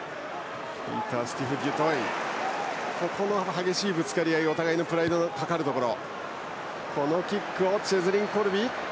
激しいぶつかり合いはお互いのプライドがかかるところ。